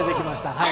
はい。